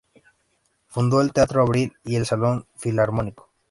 Fundó el Teatro Abril y El Salón Filarmónico.